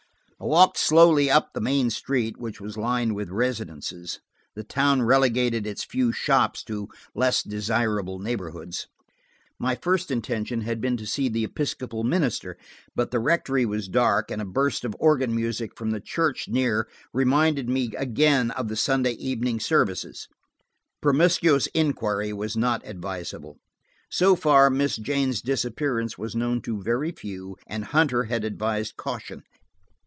I walked slowly up the main street, which was lined with residences; the town relegated its few shops to less desirable neighborhoods. My first intention had been to see the Episcopal minister, but the rectory was dark, and a burst of organ music from the church near reminded me again of the Sunday evening services. Promiscuous inquiry was not advisable. So far, Miss Jane's disappearance was known to very few, and Hunter had advised caution.